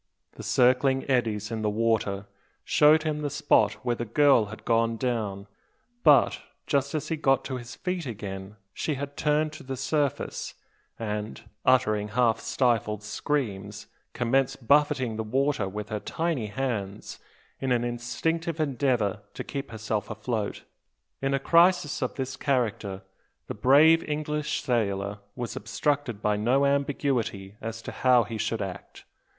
The circling eddies in the water showed him the spot where the girl had gone down; but, just as he got to his feet again, she had turned to the surface; and, uttering half stifled screams, commenced buffeting the water with her tiny hands, in an instinctive endeavour to keep herself afloat. In a crisis of this character, the brave English sailor was obstructed by no ambiguity as to how he should act.